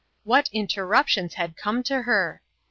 What interruptions had come to her